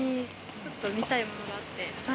ちょっと見たいものがあって。